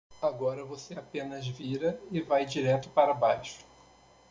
Agora você apenas vira e vai direto para baixo.